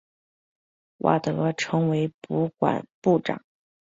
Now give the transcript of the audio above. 瓦德成为不管部长。